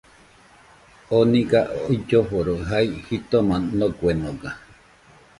Oo nɨga uilloforo jai jitoma noguenoga